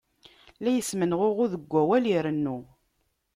La ismenɣuɣud deg awal, irennu.